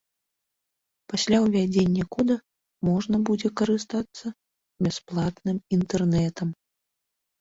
Пасля ўвядзення кода можна будзе карыстацца бясплатным інтэрнэтам.